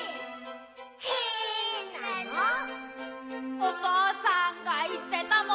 「おとうさんがいってたもん」